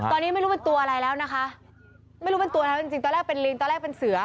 ตอนนี้ไม่รู้เป็นตัวอะไรแล้วนะคะไม่รู้เป็นตัวแล้วจริงจริงตอนแรกเป็นลิงตอนแรกเป็นเสือ